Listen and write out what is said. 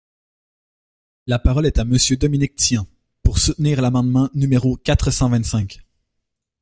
La parole est à Monsieur Dominique Tian, pour soutenir l’amendement numéro quatre cent vingt-cinq.